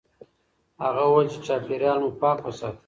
هغه وویل چې چاپیریال مو پاک وساتئ.